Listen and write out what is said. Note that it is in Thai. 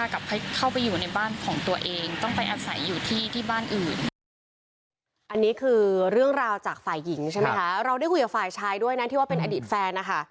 ก็คุยกับฝ่ายชายด้วยที่ว่าอดีตแฟน